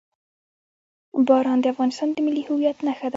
باران د افغانستان د ملي هویت نښه ده.